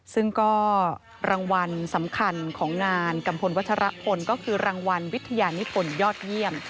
ซึ่งก็รางวัลสำคัญของงานกัมพลวัชรพลก็คือรางวัลวิทยานิพลยอดเยี่ยม